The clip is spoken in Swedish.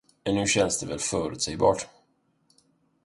Nu känns det väl förutsägbart.